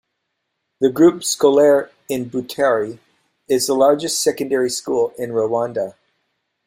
The Groupe Scolaire in Butare is the largest secondary school in Rwanda.